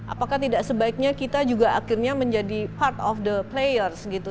apakah tidak sebaiknya kita juga akhirnya menjadi part of the players gitu